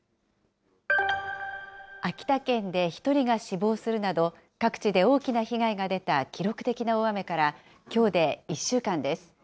秋田県で１人が死亡するなど、各地で大きな被害が出た記録的な大雨からきょうで１週間です。